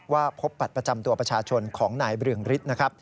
ว่าพบปัจประจำตัวประชาชนของนายเบืองฤทธิ์